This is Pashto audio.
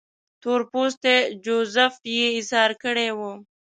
تور پوستی جوزیف یې ایسار کړی وو.